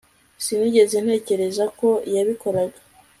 sinigeze ntekereza ko yabikora